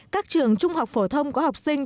các trường trung học phổ thông của học sinh